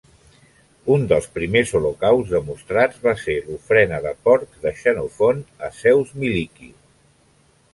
Un dels primers holocausts demostrats va ser l'ofrena de porcs de Xenofont a Zeus Miliqui.